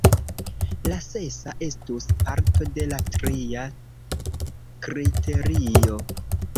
La sesa estus parto de la tria kriterio.